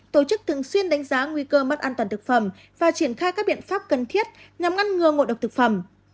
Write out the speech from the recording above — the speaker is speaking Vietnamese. tổ chức thường xuyên đánh giá nguy cơ mất an toàn thực phẩm và triển khai các biện pháp cần thiết nhằm ngăn ngừa ngộ độc thực phẩm